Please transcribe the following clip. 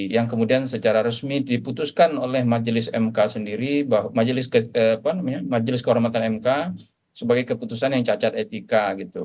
yang kemudian secara resmi diputuskan oleh majelis mk sendiri bahwa majelis kehormatan mk sebagai keputusan yang cacat etika